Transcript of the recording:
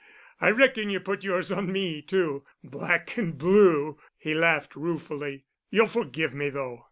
I reckon you put yours on me, too, black and blue." He laughed ruefully. "You'll forgive me, though.